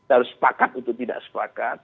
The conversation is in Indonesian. harus sepakat atau tidak sepakat